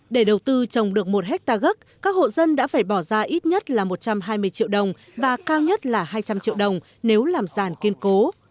để đầu tư trồng được một hectare gốc các hộ dân đã phải bỏ ra ít nhất là một trăm hai mươi triệu đồng và cao nhất là hai trăm linh triệu đồng nếu làm giàn kiên cố